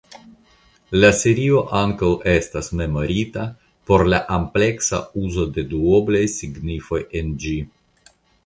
La serio ankaŭ estas memorita por la ampleksa uzo de duoblaj signifoj en ĝi.